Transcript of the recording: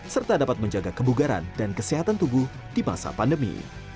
serta dapat menjaga kebugaran dan kesehatan tubuh di masa pandemi